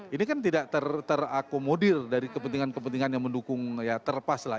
ini kan tidak terakomodir dari kepentingan kepentingan yang mendukung ya terlepas lah